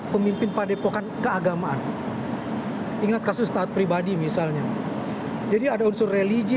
pemimpin padepokan keagamaan ingat kasus taat pribadi misalnya jadi ada unsur religi